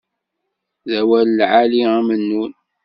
D awal lɛali a Mennun.